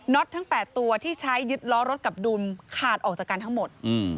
็ตทั้ง๘ตัวที่ใช้ยึดล้อรถกับดุลขาดออกจากกันทั้งหมด